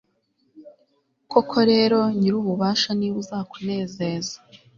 koko rero, nyir'ububasha ni we uzakunezeza